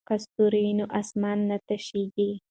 که ستوري وي نو اسمان نه تشیږي.